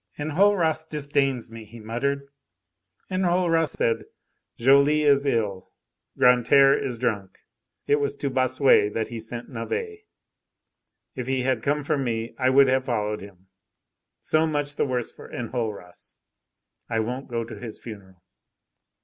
"Enjolras disdains me," he muttered. "Enjolras said: 'Joly is ill, Grantaire is drunk.' It was to Bossuet that he sent Navet. If he had come for me, I would have followed him. So much the worse for Enjolras! I won't go to his funeral."